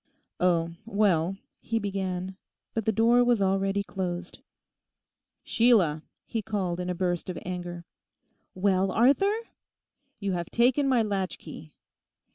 'Oh, well—' he began. But the door was already closed. 'Sheila!' he called in a burst of anger. 'Well, Arthur?' 'You have taken my latchkey.